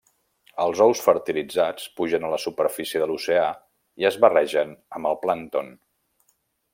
Els ous fertilitzats pugen a la superfície de l'oceà, i es barregen amb el plàncton.